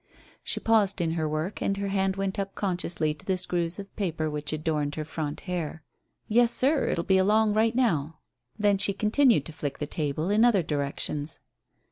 She paused in her work, and her hand went up consciously to the screws of paper which adorned her front hair. "Yessir, it'll be along right now." Then she continued to flick the table in other directions.